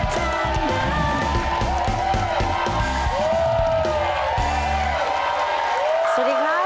สวัสดีครับ